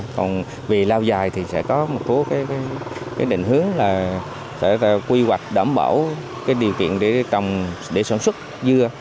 còn về lao dài thì sẽ có một số định hướng là quy hoạch đảm bảo điều kiện để sản xuất dưa